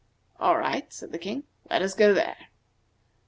"All right," said the King. "Let us go there."